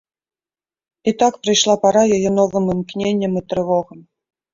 І так прыйшла пара яе новым імкненням і трывогам.